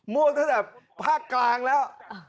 ม่วงตั้งแต่ภาคกลางแล้ว